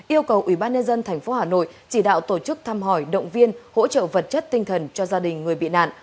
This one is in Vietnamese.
yêu cầu ủy ban nhân dân tp hà nội chỉ đạo tổ chức thăm hỏi động viên hỗ trợ vật chất tinh thần cho gia đình người bị nạn